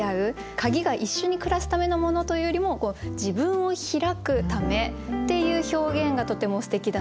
鍵が一緒に暮らすためのものというよりも自分をひらくためっていう表現がとてもすてきだなと思いました。